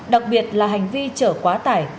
đặc biệt là hành vi trở quá tải